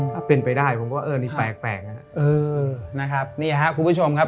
ถ้าเป็นไปได้ผมก็เอ่อนี่แปลกแปลกเออนะครับนี่ฮะคุณผู้ชมครับ